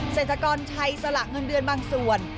เศรษฐกรชัยสละเงินเดือนบางส่วน